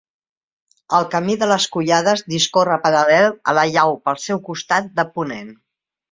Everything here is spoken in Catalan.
El Camí de les Collades discorre paral·lel a la llau pel seu costat de ponent.